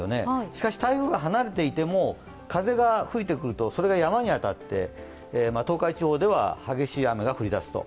しかし台風が離れていても風が吹いてくるとそれが山に当たって、東海地方では激しい雨が降り出すと。